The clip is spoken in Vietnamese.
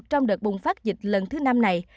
trong đợt bùng phát dịch lần thứ năm này